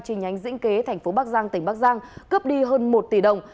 trình nhánh dĩnh kế tp bắc giang tỉnh bắc giang cướp đi hơn một tỷ đồng